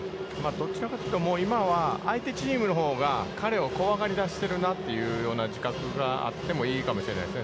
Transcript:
どちらかというともう今は相手チームのほうが、彼を怖がり出しているなというような自覚があってもいいかもしれないですね。